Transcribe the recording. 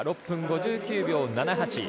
６分５９秒７８。